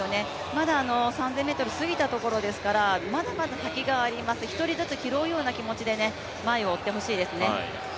まだ３０００ｍ過ぎたところですからまだまだ先があります、１人ずつ拾うような気持ちで前を追ってほしいですね。